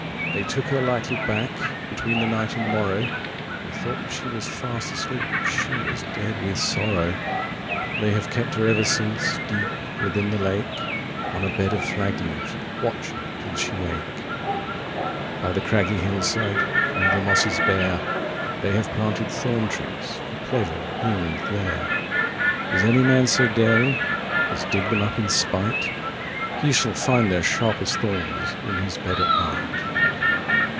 They took her lightly back, Between the night and morrow, They thought that she was fast asleep, 35 But she was dead with sorrow. They have kept her ever since Deep within the lake, On a bed of flag leaves, Watching till she wake. 40 By the craggy hill side, Through the mosses bare, They have planted thorn trees For pleasure here and there. If any man so daring 45 As dig them up in spite, He shall find their sharpest thorns In his bed at night.